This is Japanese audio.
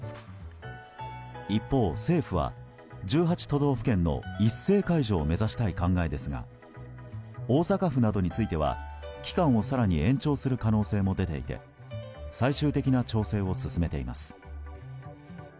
一方、政府は１８都道府県の一斉解除を目指したい考えですが大阪府などについては期間を更に延長する可能性も出ていて最終的な調整を進めています。